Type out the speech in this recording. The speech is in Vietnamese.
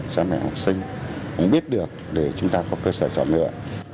cho mẹ học sinh cũng biết được để chúng ta có cơ sở trọng lượng